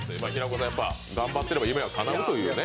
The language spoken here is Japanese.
頑張ってれば夢はかなうというね。